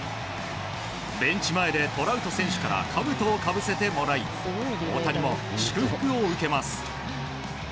ベンチ前でトラウト選手からかぶとをかぶせてもらい大谷も祝福を受けます。